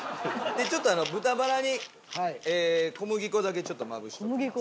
ちょっと豚バラに小麦粉だけちょっとまぶしておきます。